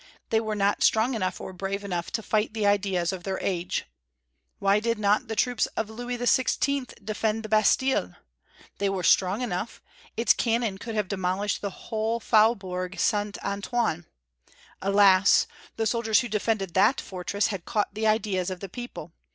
They were not strong enough or brave enough to fight the ideas of their age. Why did not the troops of Louis XVI. defend the Bastille? They were strong enough; its cannon could have demolished the whole Faubourg St. Antoine. Alas! the soldiers who defended that fortress had caught the ideas of the people.